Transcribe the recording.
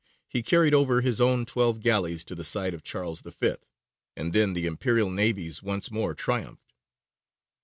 he carried over his own twelve galleys to the side of Charles V.; and then the Imperial navies once more triumphed.